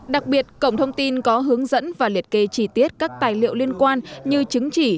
đặc biệt cổng thông tin có hướng dẫn và liệt kê chi tiết các tài liệu liên quan như chứng chỉ